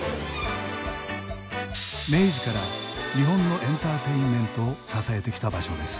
明治から日本のエンターテインメントを支えてきた場所です。